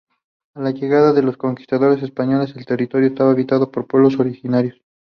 A la llegada de los conquistadores españoles el territorio estaba habitado por pueblos originarios.